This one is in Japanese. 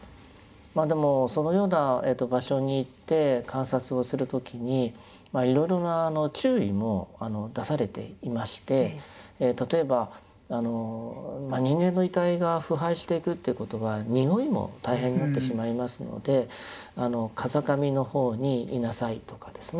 まあでもそのような場所に行って観察をする時にいろいろな注意も出されていまして例えば人間の遺体が腐敗していくっていうことはにおいも大変になってしまいますので風上の方にいなさいとかですね